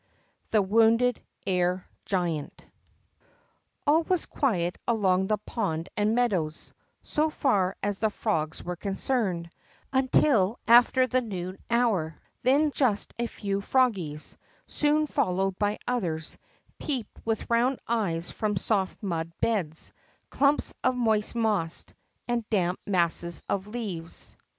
THE WOUNDED AIR GIANT A ll was quiet along the pond and meadows, so far as the frogs were concerned, until after the noon hour; then just a few froggies, soon followed by others, peeped with round eyes from soft mud beds, clumps of moist moss, and damp masses of leaves.